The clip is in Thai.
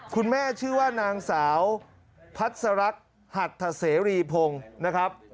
คุณแม่ชื่อว่านางสาวพัศรักหัตถเสรีพงศ์นะครับ